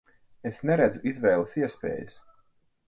Es neredzu izvēles iespējas.